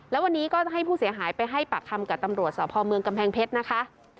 แล้ววันนี้ก็ให้ผู้เสียหายไปให้ปากคำกับตำรวจสพเมืองกำแพงเพชรนะคะ